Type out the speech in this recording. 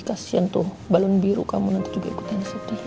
kasian tuh balon biru kamu nanti juga ikutan sedih ya